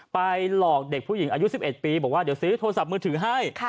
หลอกเด็กผู้หญิงอายุ๑๑ปีบอกว่าเดี๋ยวซื้อโทรศัพท์มือถือให้